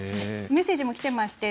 メッセージもきています。